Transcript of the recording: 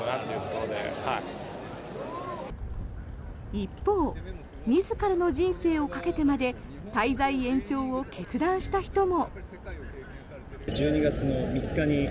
一方、自らの人生をかけてまで滞在延長を決断した人も。